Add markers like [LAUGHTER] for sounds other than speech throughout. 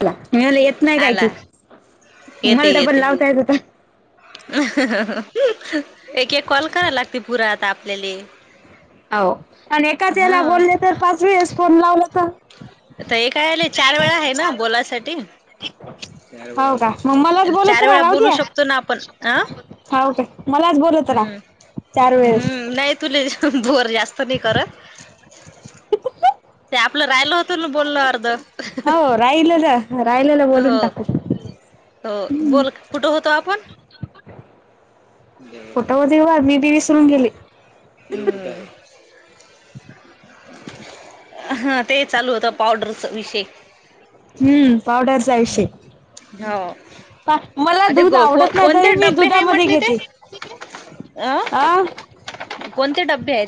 पला मी म्हणल येत नाही काय कि आला येते मला डब्बल येते लावतायेत होत. [INAUDIBLE] एक -एक कॉल कराला लागते पुरा आता आपल्याले. आव आणि एकाच हा याला बोलले तर पाच वेळेस फोन लावलं तर? आता एका येळेला चार वेळा आहे ना बोलासाठी? चार वेळा हो का लावू मग शकतो, मलाच बोलत चार वेळा बोलू शकतो ना आपण? आ हा, ओके मलाच बोलूतरा [UNINTELLIGIBLE] हम्म, नाही तुले भोर जास्त नाही करत. ते आपलं राहिलं होतं ना बोलण अर्ध हाव राहिलेल -राहिलेल बोलून हो टाकू. हो बोल कुठं होतो आपूण? कुठ होते बा मी बी विसरून गेले. ह [INAUDIBLE] [INAUDIBLE] हा ते चालू होतं पावडरचा विषय. हम्म पावडर विषय हो मला ते दूध आवडत नाही तरी कोणते मी डब्बे आहे दुधामध्ये म्हटले ते घेते. अ आ कोणते डब्बी यतीे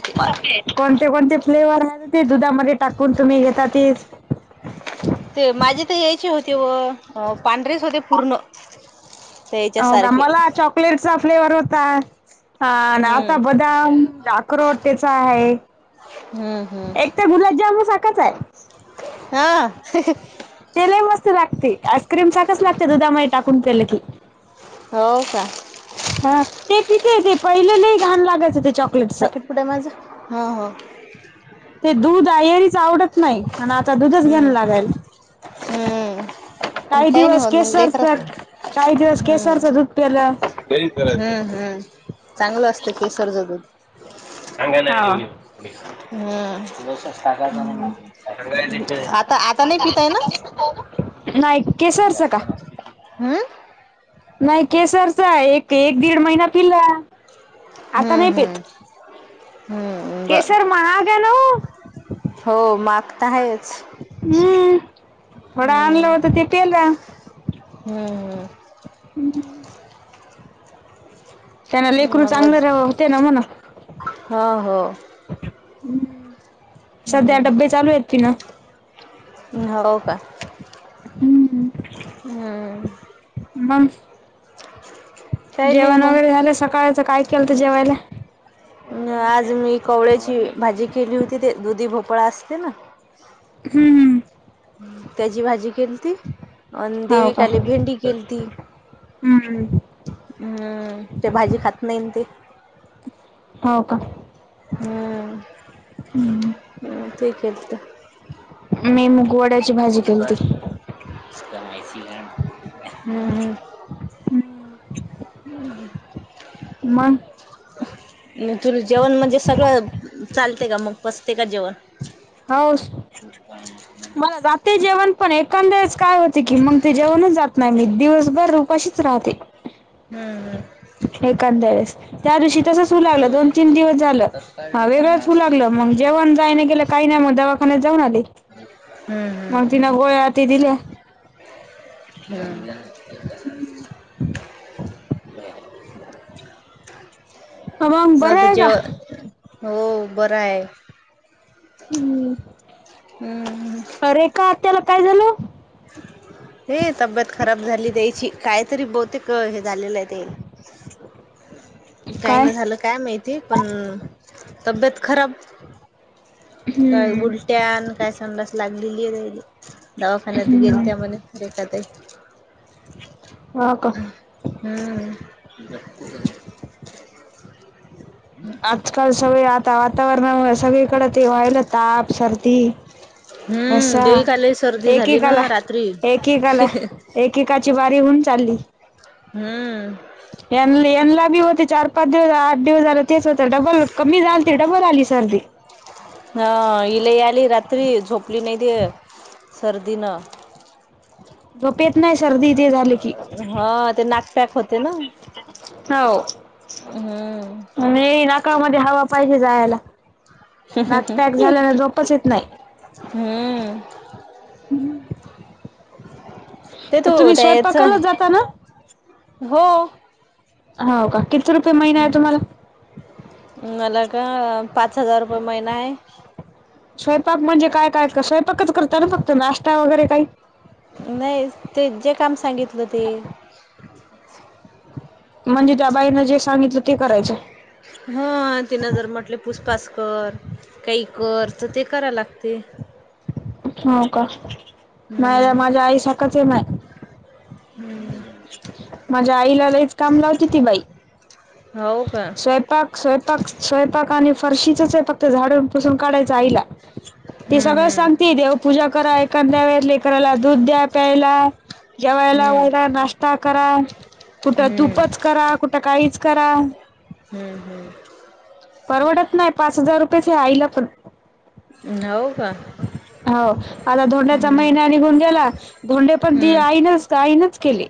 कोणते कोणते फ्लेवर आहेत ते दुधामध्ये टाकून तुम्ही घेतात ते माझी तर यायचे होते व पांढरेच होते पूर्ण ते याच्या हो का सारखे मला चॉकलेटचा फ्लेवर होता. हा हम्म आता बदाम अक्रोट त्याचा आहे. हम्म हम्म एक तर गुलाबजाम सारखच आहे. हा तेला मस्त लागते आईस्क्रीम सारखं लागते दुधामाही टाकून पलं की हो का? हा ते पिथे ते पहिलेलं घाण लागायचं हो ते चॉकलेटच. पाकीट कुठे माझं ह हां ते दूध आयरीच आवडत नाही आणि आता दूधच घेन हम्म लागाल. हम्म काय काही नाही दिवस होत मग केसर लेकर सर काही दिवस हम्म केसरस प्यायला. हम् चांगलं असतं केसर ज दूध. अंगला हम् हम्म. आता आता नाही पिताय ना? नाही. केसरचं का त हम्म नाही केसरचा एक एक दीड महिना पिला आता हम्म नाही पेत. हम्म हम्म ब केसर महाग आहे ना ओ. हो मागता आहेच. हम्म थोडा आणलं होत ते पेल रा हम्म हम्म हम्म त्यांना लेकरू चांगलं होते ना म्हणा हा हो हम्म सध्या हम्म डब्बे चालू आहेत ति ना हो का हम्म हम्म मग काही नाही जेवण मग वगैरे झालं सकाळच काय केल तर जेवायला? आज मी कवळ्याची भाजी केली होती ते दुधी भोपळा असते ना. हम्म हम्म त्याची भाजी केली त अ हो का? देविकले भेंडी केली त हम्म हम्म ते भाजी खात नाही ते. हो का हम् हम्म. तेठी केत मी मुगवड डा [UNINTELLIGIBLE] ह मग तु जेवण म्हणजे सगळं चालते का मग पसते का जेवण हा हम् मला जाते जेवण पण एखंद्याच काय होते की मग ते जेवणच जात नाही मी दिवसभर उपाशीच राहते हम्म हम्म एांंद्या वेळेस त्या दिवशी तसचू लागलं दोन तीन दिवस झालं हा वेगळंच होऊ लागलं मग जेवण जाय नाही गेलं काही नाही मग दवाखान्यात जाऊन आले हम्म हम्म मग तना गोळ्या हाती दिले ह ब मग मला बरं तर आहे का जेव हो बर आहे हम्म हम्म अ रेखा त्याला काय झालं हे तब्येत खराब झाली दयची कायतरी बहुतेक हे झालेलं आहे ते काय न झालं काय माहिती पण तब्येत खराब काय हम्म ब टन काय संडस लागलेली आहे राहिली दवाखान्यात गेल हम्म. देखात हा का हम्म आजकाल सगळे आता वातावरणामुळे सगळीकडे ते व्हायला ताप सर्दी हम्म घसा देविका लई सर्दी झाली एकेकाला ना रात्री एकेकाला एकेकाची बारी होऊन चालली हम्म यांला बी होते चार पाच दिवस दिवस झाला तेच होत डबल कमी झाल त डबल आली सर्दी ह इला आली रात्री झोपली नाही दे सर्दी न झोपेत नाही सर्दी इथे झाली की हा ते नाकफॅक होते ना हो हम्म आणि नाकाळमध्ये हवा पाहिजे जायला ह् ह नाक ह पॅक झाल्याने झोपच येत नाही हम्म ते त तुम्ही त्याच आहे स्वयंपाकालाच जाता ना हो हो का किती रुपये महिना आहे तुम्हाला हम् मला का पाच हजार रुपये महिना आहे स्वयंपाक म्हणजे काय काय का स्वयंपाकच करतात ना फक्त नाश्ता वगैरे काही नाही ते जे काम सांगितलं ते म्हणजे त्या बाईना जे सांगितलं ते करायचं हा तिनं जर म्हटले पुष्पाचकर काही कर तर ते कराय लागते हो का नाही हम्म माझ्या आई साराखाच आहे नाही हम् माझ्या आईला लईच काम लावते ती बाई हो का स्वयंपाक स्वयपाक स्वयपाक आणि फरशीच फक्त झाडसून पूसून काढायच आईला ते सगळं हम्म सांगते देव पूजा करा एखाद्या वेळेस लेकराला दूध द्या प्यायला जेवायला हम्म वयला नाश्ता नाष्टा करा कुठं हम्म तूपच करा कुठं काहीच करा हम्म हम्म परवडत नाही पाच हजार रुपयेच आईला पण हो का हो आता धोंड्याचा हम्म महिना निघून गेला. धोंडे पण ती हम्म आई नच आईनच केले.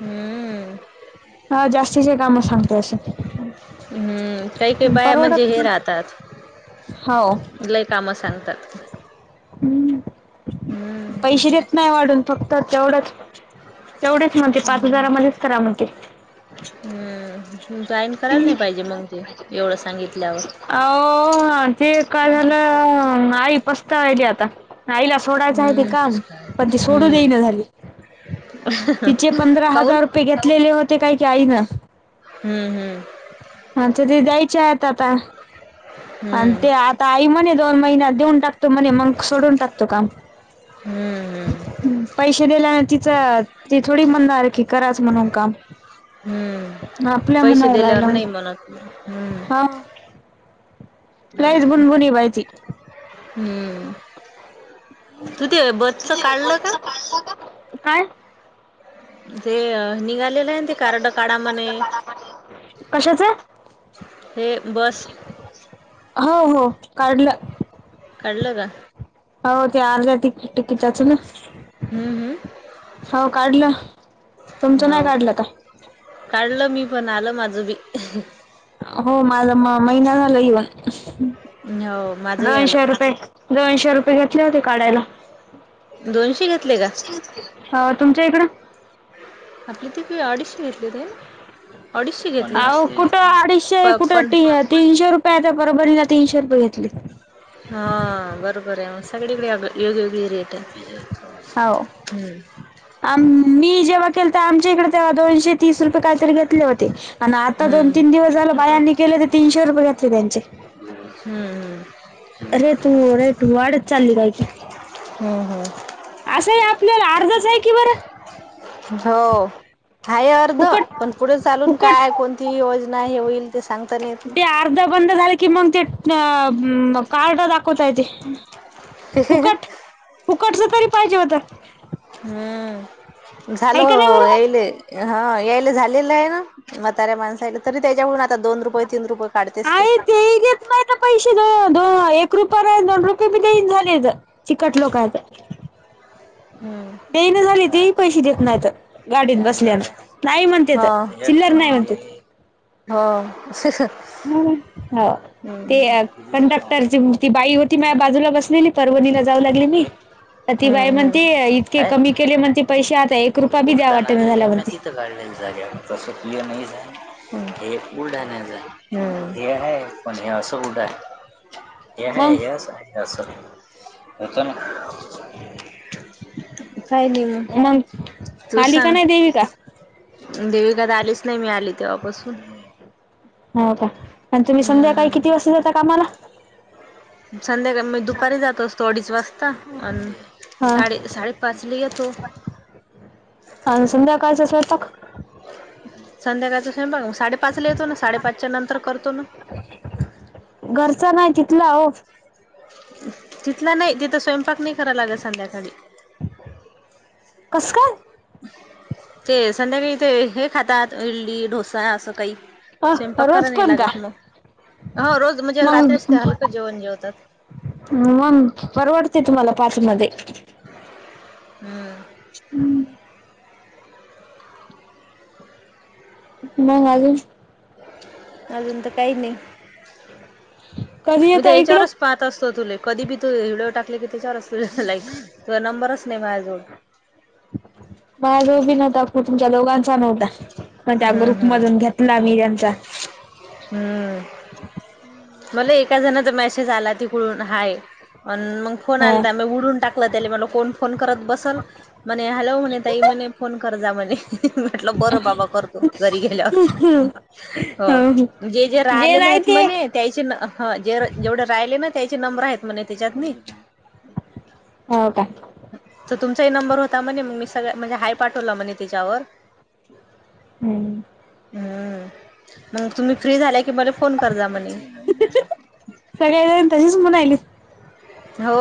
हम्म हा जास्तीचे काम सांगते असे हम्म काही काही बाया म्हणजे परवडत हे नाही. राहतात लई काम सांगतात. हम्म हम्म पैसे देत नाही वाढून फक्त तेवढंच तेवढेच म्हणते पाच हजारामध्येच करा म्हणते. हम्म जॉईन करायला नाही पाहिजे मग ते एवढं सांगितल्यावर ओ ते काय झालं आई पस्ता आहिली आता आईला सोडायचं आहे ते काम करतेस काय? पण ती सोडून देई हम्म ना झाली. तिचे पंधरा काऊन? हजार रुपये घेतलेले होते काही की आईन हम्म हम्म हा तर ते द्यायचे आहे आता आणि हम्म ते आता आई म्हणे दोन महिन्यात देऊन टाकतो म्हणे मग सोडून टाकतो काम. हम्म हम्म पैसे दिल्याने तिचं ती थोडी म्हणार आहे की कराच म्हणून काम हम्म आपल्या पैसे मनावर दिल्यावर राहिलं नाही म्हणत हम्म लयचं बुनबुनी बाई ती हम्म तू ते बसच काढलं का? काय? ते निघालेलं आहे. कार्ड काढा म्हणे कशाचं हे बस हो हो काढलं काढलं का? हो ते आर्ध्या टिकिटाच ना? हम्म हम्म हो काढलं तुमचं नाही काढलं का? काढलं मी पण आलं माझं बी हो माझं म महिना झालं येवून हो माझंही आलं दोनशे रुपये- दोनशे रुपये घेतले होते काढायला दोनशे घेतले का? अ तुमच्या इकडं? आपली त अडीशे घेतले ते? अडीशे घेतले? आहो कुठं अडीचशे प कुठे पण तीनशे रुपये त्या बरोबर ना तीनशे रुपये घेतली. हा बरोबर आहे सगळीकडे वेगवेगळी रेट आहे. हो हम्म आम मी जेव्हा केलं तर आमच्या इकडे तेव्हा दोनशे तीस रुपये काहीतरी घेतले होते. आणि आता दोन हम्म तीन दिवस झाल बायांनी केले ते तीनशे रुपये घातले त्यांचे हम्म, हम्म. रे तू रेट, वाढत चालीय की. हम्म हम्म असही आपल्याला, अर्धचाय की बरं. हो. हाय अर्ध. फुकट पण पुढे चालून फुकट काय, कोणती, योजना हे होईल? ते सांगताना येत ते नाही. अर्ध बंद झाले की मग ते, अ म कार्ड दाखवता येते. फुकट- फुकटच तरी पाहिजे होतं. हम्म. झाल हो का नाही बरं यायलय. हा. यायला झालेलंयना. माताऱ्या माणसाला तरी त्याच्याकून आता दोन, रुपये तीन रुपये काढतेस ते. आता पैसे द - दो एक रुपया रा- दोन रुपये बी देइन झालेत. चिकट लोकं. हम्म. झाले तेही पैसे [UNINTELLIGIBLE] देत नाहीत गाडीत पॅन बसल्यान कार्डय. नाही म्हणते तर हा. एक - चिल्लर नाही दोन दि. म्हणते हो. [UNINTELLIGIBLE] हं. हो, हम्म ते कंडक्टरची ती बाई होत ती मा बाजूला बसलेली, परवणीला जाऊ लागलेली. तर ती हम्म बाई हम्म. म्हणते, इतके कमी केले म्हणते पैसे आता, एक रुपया बी द्या वाटना झाल्या मनती. [UNINTELLIGIBLE] तसं [UNINTELLIGIBLE] हं. हे फक्त बुलढाण्याला जायला. हं. ते हाय पण असा [UNINTELLIGIBLE] ते मग हाय. असं हाय. असं. [UNINTELLIGIBLE] मग, आली का नाही, देविका? देवीका त आलीच नाही. मी आली तेव्हापासून. हो का? अन् तुम्ही संध्याकाळी, किती हम्म वाजता जाता कामाला? संध्याकाळ मी दुपारी जात असतो, अडीच वाजता. अन् हा साडी - साडेपाचला येतो. अन् संध्याकाळचं स्वयपाक? संध्याकाळचा स्वयंपाक. साडेपाच ला येतो ना. साडेपाचच्या नंतर करतो ना. घरचा नाही, तिथला ओ. तिथला नाही. तिथं स्वयंपाक नाही कराव लागत, संध्याकाळी. कस काय? ते संध्याकाळी ते हे खातात, इडली, ढोसा असं काही. अ स्वयंपाक करावं रोज नाही पण का लागत मग. हा, रोज म्हणजे मग रात्रीच ते हलकं जेवण जेवतात. मग परवडते, तुम्हाला पाचमध्ये. हम्म. हम्म. [INAUDIBLE] मग, अजून? अजून तर काही नाही. कधी उद्या येता इकडं याच्यावरच पाहत असतो तुले. कधी बी तू व्हिडिओ टाकले कि, त्याच्यावर असतो लाईक. तुला नंबरच नाही माझ्याजवळ. माझ्याजवळ बी नव्हता. तुमच्या दोघां नव्हता. पण त्या हम्म ग्रुप हम्म मधून घेतला मी यांचा [INAUDIBLE] मले एका जणाचा मेसेज आला तिकडून. हाय. अन् मग फोन हा आलता. म उडून टाकलं त्याले. मनलं कोण फोन करत बसल. म हॅलो म्ह तई म फोन कर जाा म्ह बर बाबा करतो घरी गेल्यावर हो म्हे जे राहिलेले नाही आहेत ते म्ह त्या जे जेवढे राहिले ना त्याचे नंबर आहेत म्ह त्याच्यात हो का? तर तुमचाही नंबर होता म्हणे मग मी सगळ म्हणजे हाय पाठवला म्हणे त्याच्यावर ब हम्म हम्म मग तुम्ही फ्री झाल्या कि मले फोन कर जा म्हणे सगळे जण तशीच म्हनायलीत. हो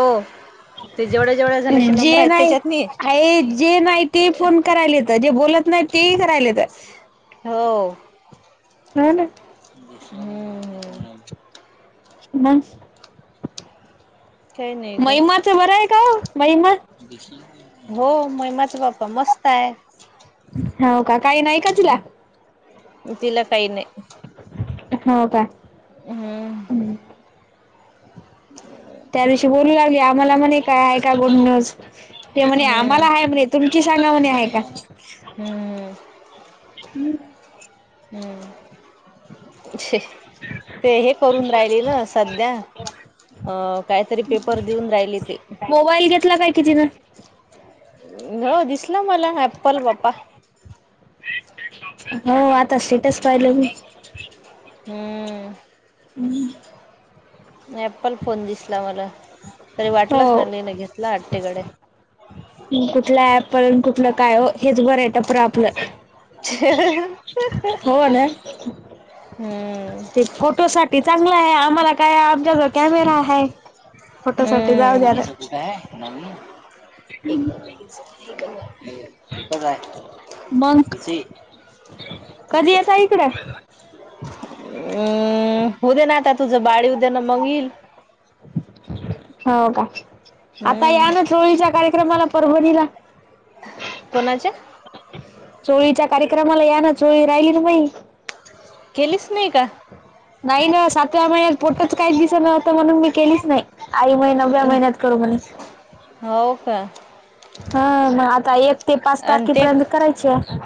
ते जेवढ्या जेवढ्या जणांची नंबर जे आहेत नाही त्याच्यात नि आहे जे नाही ते फोन करायलेत जे बोलत नाही तेही करायलेत. हो कळाल. ब [INAUDIBLE] मग काही नाही ग. महिमाचं बरं आहे का हो महिमा हो मय माझ बाप्पा मस्त आहे. हाव का काही नाही का तिला तिला काही नाही. होा काय? हम्म त्या दिवशी बोलू लागले आम्हाला म्हणे काय आहे का गुड न्यूज. ते म्हणे हम्म आम्हाला आहे म्हणे तुमची सांगा म्हणे आहे का? हम्म हम्म हम्म छे ते हे करून राहिले ना सध्या अ काहीतरी पेपर देऊन राहिली ते मोबाईल घेतला काय कि तिनं. हो दिसला मला ॲप्पल बाप्पा हो आता स्टेटच पाहिलं मी हम्म ह ऍप्पल फोन दिसला मला तरी वाटलाच. हो. [UNINTELLIGIBLE] कुठल ॲपल आणि कुठलं काय ओ हेच बरं आहे टपर आपलं ह हो ना. [UNINTELLIGIBLE] हम्म ते फोटो साठी चांगलं आहे आम्हाला काय आमच्या तर कॅमेरा आहे. फोटो साठी जाऊ हम्म द्या ना. [UNINTELLIGIBLE] कूठ आहे. [UNINTELLIGIBLE] मंग कधी येताय इकड अम् होऊदे ना आता तुझ बाळ येऊदे ना मंग येइल. हो का? आता या ना हम्म चोळीच्या कार्यक्रमाला परभणीला कोणाच्या? चोळीच्या कार्यक्रमाला या ना चोळी राहिली ना मई केलीच नाही का? नाही ना सातव्या महिन्यात फोटोंच काढलीच नव्हत म्हणून मी केलीच नाही. आई म्हणे नव्या महिण्यात करू म्हणे. हो का? हा, म आता एक ते पाच आणि ते तारखेपर्यंत करायचे.